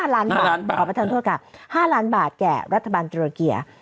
๕ล้านบาทขอประทานโทษค่ะ๕ล้านบาทแก่รัฐบาลเตรียร์เกียร์